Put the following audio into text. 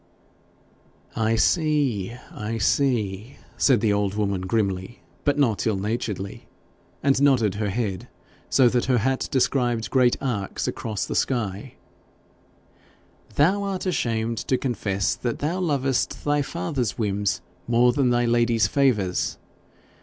'I see, I see!' said the old woman grimly, but not ill naturedly, and nodded her head, so that her hat described great arcs across the sky; 'thou art ashamed to confess that thou lovest thy father's whims more than thy lady's favours.